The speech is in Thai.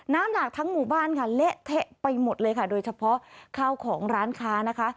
น้ำหนักทั้งหมู่บ้านค่ะเละเทะไปหมดเลยค่ะโดยเฉพาะข้าวของร้านค้านะคะ